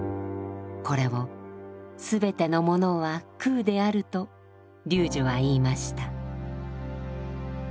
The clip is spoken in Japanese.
これを「すべてのものは空である」と龍樹は言いました。